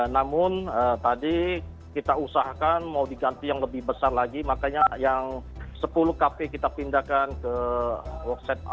namun tadi kita usahakan mau diganti yang lebih besar lagi makanya yang sepuluh kp kita pindahkan ke wakset a